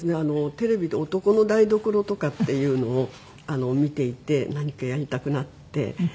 テレビで『おとこの台所』とかっていうのを見ていて何かやりたくなって。